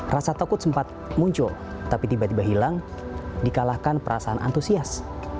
rasa takut sempat muncul tapi tiba tiba hilang dikalahkan perasaan antusias